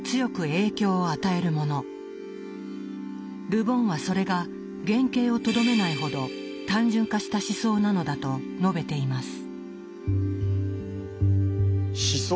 ル・ボンはそれが原形をとどめないほど単純化した思想なのだと述べています。